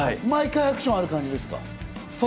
毎回アクションある感じです